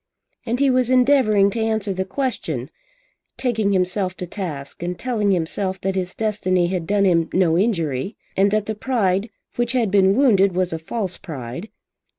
And he was endeavouring to answer the question, taking himself to task and telling himself that his destiny had done him no injury, and that the pride which had been wounded was a false pride.